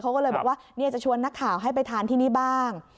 เขาก็เลยบอกว่าจะชวนนักข่าวให้ไปทานที่นี่บ้าง